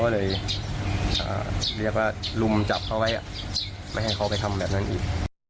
ก็เลยเรียกว่าลุมจับเขาไว้ไม่ให้เขาไปทำแบบนั้นอีก